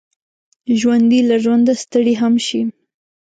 ژوندي له ژونده ستړي هم شي